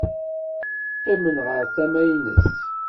Qqimen ɣer tama-nnes.